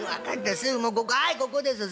すぐもうここはいここです。